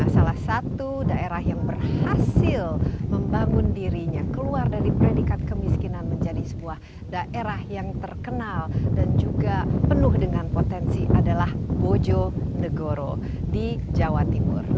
salah satu daerah yang berhasil membangun dirinya keluar dari predikat kemiskinan menjadi sebuah daerah yang terkenal dan juga penuh dengan potensi adalah bojonegoro di jawa timur